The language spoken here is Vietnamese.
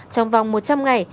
trong vòng một trăm linh ngày